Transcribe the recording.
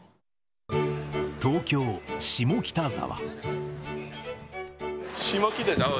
東京・下北沢。